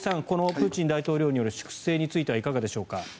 このプーチン大統領による粛清についてはいかがでしょうか。